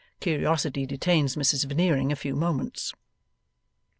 Curiosity detains Mrs Veneering a few moments.